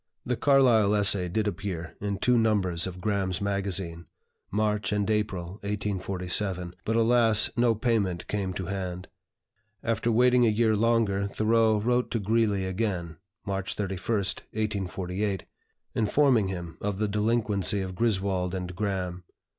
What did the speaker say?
The Carlyle essay did appear in two numbers of "Graham's Magazine" (March and April, 1847), but alas, no payment came to hand. After waiting a year longer, Thoreau wrote to Greeley again (March 31, 1848), informing him of the delinquency of Griswold and Graham.